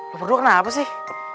lo berdua kenapa sih